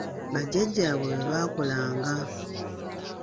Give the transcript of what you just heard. Bajjajjaabwe bwe baakolanga.